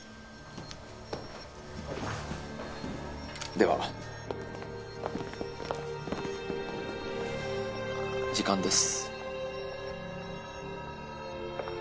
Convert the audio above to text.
では時間です